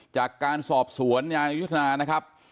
จากการสอบสวนนายยุทธนานะครับ